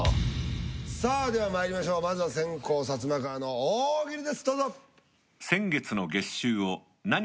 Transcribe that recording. さあではまいりましょうまずは先攻サツマカワの大喜利ですどうぞ。